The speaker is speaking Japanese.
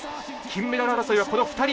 金メダル争いは、この２人。